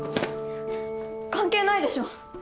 関係ないでしょ。